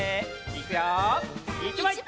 いくよ！